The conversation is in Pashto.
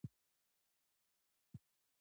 هغې د پاک اوازونو ترڅنګ د زړونو ټپونه آرام کړل.